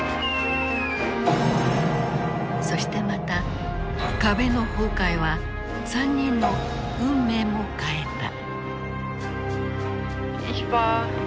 そしてまた壁の崩壊は３人の運命も変えた。